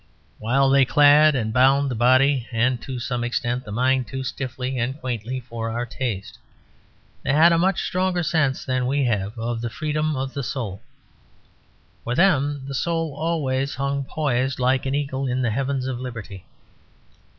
While they clad and bound the body and (to some extent) the mind too stiffly and quaintly for our taste, they had a much stronger sense than we have of the freedom of the soul. For them the soul always hung poised like an eagle in the heavens of liberty.